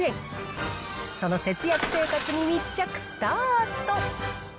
その節約生活に密着スタート。